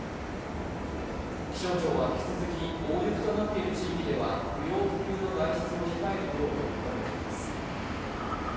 気象庁は引き続き大雪となっている地域では不要不急の外出を控えるよう呼びかけています。